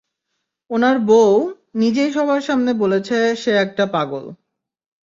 উনার বউ নিজেই সবার সামনে বলেছে সে একটা পাগল।